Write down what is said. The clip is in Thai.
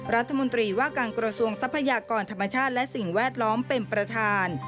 รัฐมนตรีว่าการกระทรวงทรัพยากรธรรมชาติและสิ่งแวดล้อมเป็นประธาน